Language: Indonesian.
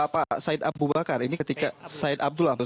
pak said abu bakar ini ketika said abdullah